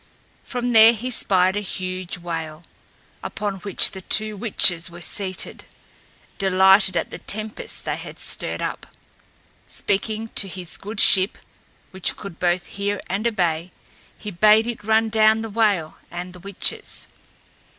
From there he spied a huge whale, upon which the two witches were seated, delighted at the tempest they had stirred up. Speaking to his good ship, which could both hear and obey, he bade it run down the whale and the witches.